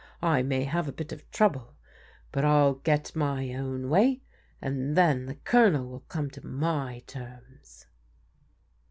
I may have a bit of trouble, but I'll get my own way, and then the Colonel will come to my terms."